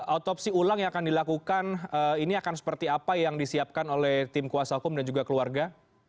otopsi ulang yang akan dilakukan ini akan seperti apa yang disiapkan oleh tim kuasa hukum dan juga keluarga